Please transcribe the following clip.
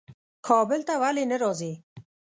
کابل ته ولي نه راځې؟